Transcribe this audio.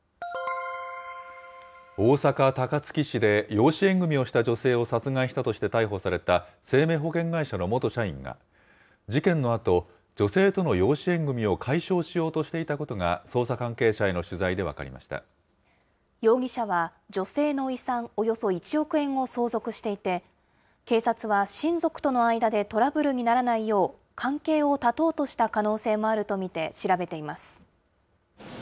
大阪・高槻市で、養子縁組みをした女性を殺害したとして逮捕された生命保険会社の元社員が、事件のあと、女性との養子縁組みを解消しようとしていたことが、捜査関係者へ容疑者は女性の遺産およそ１億円を相続していて、警察は親族との間でトラブルにならないよう、関係を断とうとした可能性もあると見て調べています。